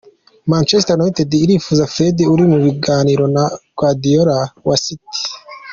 Manchester United irifuza Fred uri mu biganiro na Guardiola wa City.